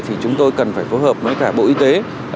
thì chúng tôi cần phải phối hợp với cả bộ y tế